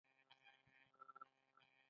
د ميرويس خان سترګې رډې راوختې!